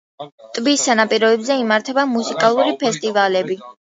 ტბის სანაპიროებზე იმართება მუსიკალური ფესტივალები.